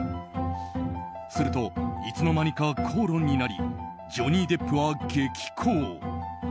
すると、いつの間にか口論になりジョニー・デップは激高。